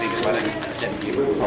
dular kalau tidak daftar ke rp tiga